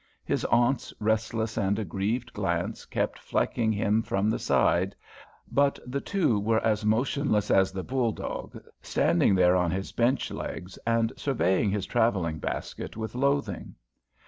His aunt's restless and aggrieved glance kept flecking him from the side, but the two were as motionless as the bouledogue, standing there on his bench legs and surveying his travelling basket with loathing.